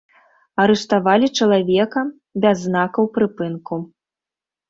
Арыштавалі чалавека без знакаў прыпынку.